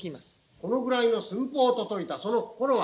このぐらいの寸法と解いたその心は？